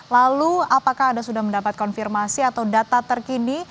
lalu apakah anda sudah mendapat konfirmasi atau data terkini